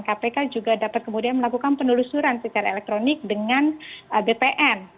kpk juga dapat kemudian melakukan penelusuran secara elektronik dengan bpn